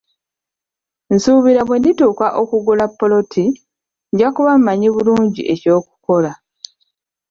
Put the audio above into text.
Nsuubira bwe ndituuka okugula ppoloti, nja kuba mmanyi bulungi eky'okukola.